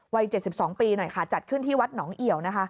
วัย๗๒ปีหน่อยค่ะจัดขึ้นที่วัดหนองเอี่ยวนะคะ